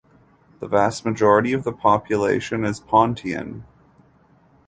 The vast majority of the population is Pontian.